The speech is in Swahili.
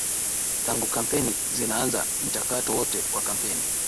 tangu kampeni zinaanza mchakato wote wa kampeni